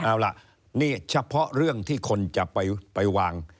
เอาล่ะนี่เฉพาะเรื่องที่คนจะไปวาง